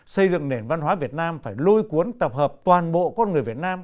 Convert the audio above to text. xây dựng nền văn hóa việt nam phải lôi cuốn tập hợp toàn bộ con người việt nam